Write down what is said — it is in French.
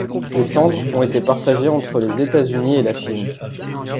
Ses cendres ont été partagées entre les États-Unis et la Chine.